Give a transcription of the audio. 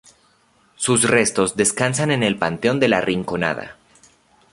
Sus restos descansan en el panteón del La Rinconada.